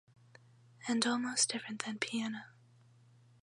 And almost different than piano.